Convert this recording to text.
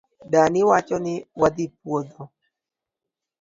Dani wacho ni wadhi puodho.